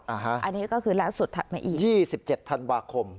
อันนี้ก็คือล่าสุดถัดมาอีก๒๗ธันวาคม